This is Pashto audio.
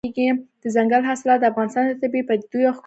دځنګل حاصلات د افغانستان د طبیعي پدیدو یو ښکلی رنګ دی.